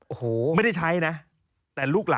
โอ้โฮไม่ได้ใช้นะ